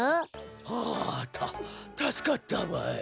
はあたたすかったわい。